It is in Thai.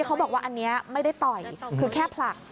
เขาบอกว่าอันนี้ไม่ได้ต่อยคือแค่ผลัก